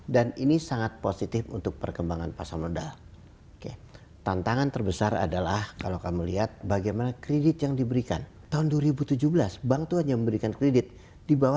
dan ini sangat positif untuk perkembangan pasar modal tantangan terbesar adalah kalau kamu lihat bagaimana kredit yang diberikan tahun dua ribu tujuh belas bank itu hanya memberikan kredit di bawah satu ratus dua puluh dolar